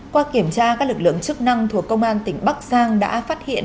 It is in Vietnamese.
qua kiểm tra các lực lượng chức năng thuộc công an tỉnh bắc giang đã phát hiện